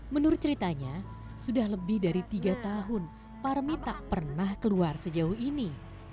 menurut ceritanya sudah lebih dari tiga tahun parmi tak pernah keluar sejauh ini